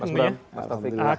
mas bram mas taufik